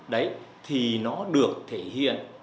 đấy thì nó được thể hiện